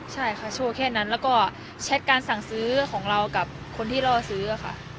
ใช่ค่ะโชว์แค่นั้นแล้วก็แชทการสั่งซื้อของเรากับคนที่ล่อซื้อค่ะ